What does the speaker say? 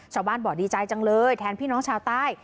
ชาวบ้านบอกดีใจจังเลยแทนพี่น้องชาวใต้